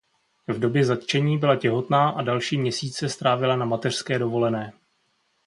V době zatčení byla těhotná a další měsíce strávila na mateřské dovolené.